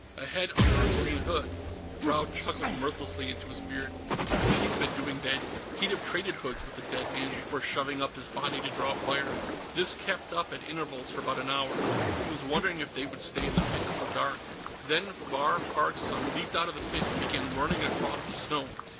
A head under a green hood. Raud chuckled mirthlessly into his beard. If he'd been doing that, he'd have traded hoods with the dead man before shoving up his body to draw fire. This kept up, at intervals, for about an hour. He was wondering if they would stay in the pit until dark. Then Vahr Farg's son leaped out of the pit and began running across the snow.